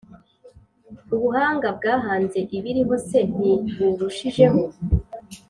Ubuhanga bwahanze ibiriho se ntiburushijeho?